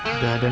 udah ada nih